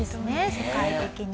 世界的に。